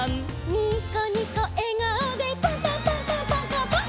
「ニコニコえがおでパンパンパンパンパンパンパン」